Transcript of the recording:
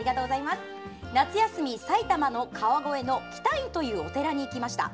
夏休み、埼玉の川越の喜多院というお寺に行きました。